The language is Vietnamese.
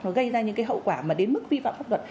nó gây ra những cái hậu quả mà đến mức vi phạm pháp luật